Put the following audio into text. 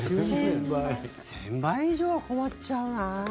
１０００倍以上は困っちゃうなあ。